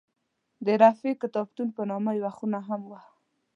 د رفیع کتابتون په نامه یوه خونه هم وه.